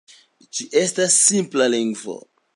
Ĝi estas simple lingvo.